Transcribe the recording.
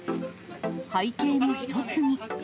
背景の一つに。